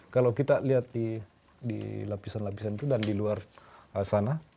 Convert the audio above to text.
kalau kita lihat di lapisan lapisan itu dan di luar sana